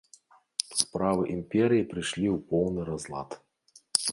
Справы імперыі прыйшлі ў поўны разлад.